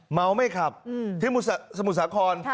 เมาไม่ขับที่สมุทรสาคร